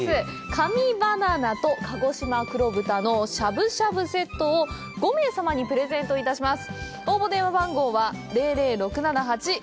神バナナとかごしま黒豚のしゃぶしゃぶをセットにして５名様にプレゼントいたします。